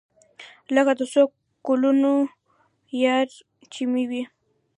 لکه د څو کلونو يار چې مې وي.